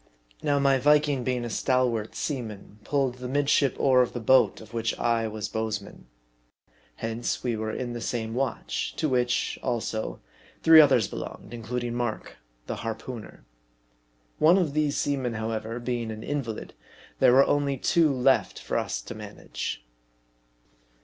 Now, my Viking being a stalwart seaman, pulled the midship oar of the boat of which I was bowsman. Hence, we were in the same watch ; to which, also, three others belonged, including Mark, the harpooneer. One of these seamen, however, being an invalid, there were only two left for us to manage.